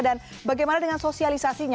dan bagaimana dengan sosialisasinya